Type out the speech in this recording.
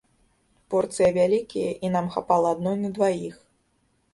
Порцыя вялікія, і нам хапала адной на дваіх.